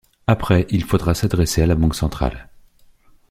Après, il faudra s'adresser à la Banque centrale.